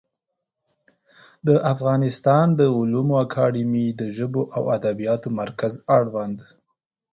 د افغانستان د علومو اکاډمي د ژبو او ادبیاتو مرکز اړوند